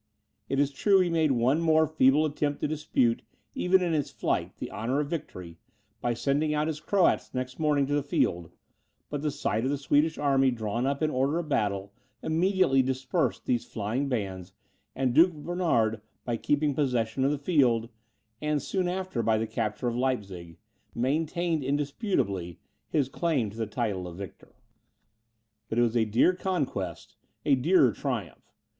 It is true he made one more feeble attempt to dispute, even in his flight, the honour of victory, by sending out his Croats next morning to the field; but the sight of the Swedish army drawn up in order of battle, immediately dispersed these flying bands, and Duke Bernard, by keeping possession of the field, and soon after by the capture of Leipzig, maintained indisputably his claim to the title of victor. But it was a dear conquest, a dearer triumph!